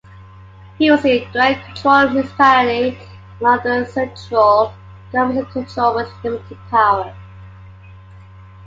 Usually direct-controlled municipality are under central governments control with limited power.